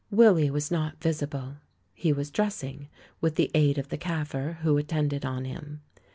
Willy was not visible. He was dressing, with the aid of the Kaffir who attended on him.